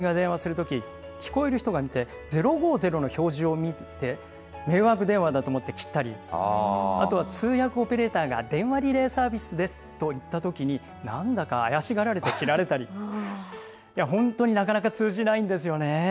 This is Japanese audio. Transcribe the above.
例えば、私が電話するとき、聞こえる人が見て、０５０の表示を見て、迷惑電話だと思って切ったり、あとは通訳オペレーターが電話リレーサービスですと言ったときに、なんだか怪しがられて切られたり、本当になかなか通じないんですよね。